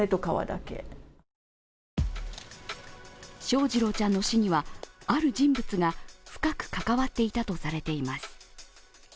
翔士郎ちゃんの死には、ある人物が深く関わっていたとされています。